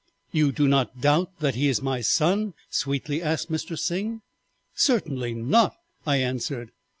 "'You do not doubt that he is my son?' sweetly asked Mr. Sing. "'Certainly not,' I answered.